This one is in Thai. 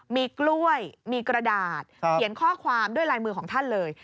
มีกล้วยมีกระดาษเขียนข้อความด้วยลายมือของท่านเลย